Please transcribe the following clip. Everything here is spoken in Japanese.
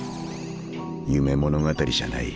夢物語じゃない。